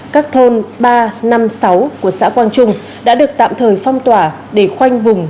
các thôn ba năm sáu của xã quang trung đã được tạm thời phong tỏa để khoanh vùng